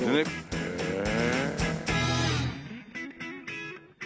へえ。